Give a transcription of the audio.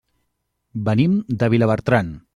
Venim de Vilabertran.